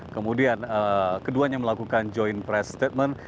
kemudian keduanya melakukan joint press statement